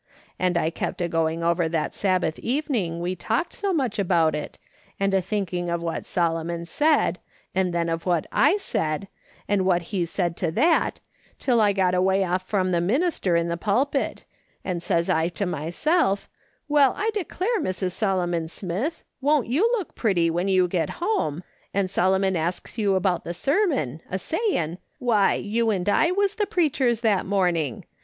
And I kept a going over that Sabbath evening we talked so much about it, and a thinking of what Solomon said, and then of what I said, and what he said to that, till I got away off from the minister in the pulpit, and says I to myself: ' Well, I declare, Mrs. Solomon Smith, won't you look pretty when you get home, and Solomon asks you about the sermon, a saying, " Why, you and I was the preachers that morning